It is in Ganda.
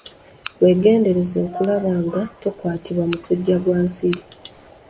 Weegendereze okulaba nga tokwatibwa musujja kwa nsiri.